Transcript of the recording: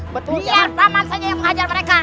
biar raman saja yang menghajar mereka